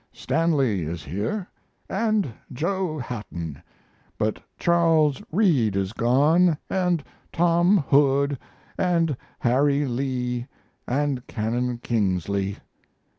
Stanley is here, and Joe Hatton, but Charles Reade is gone and Tom Hood and Harry Lee and Canon Kingsley.